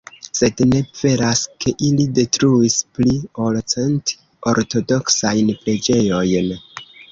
Sed ne veras, ke ili detruis pli ol cent ortodoksajn preĝejojn.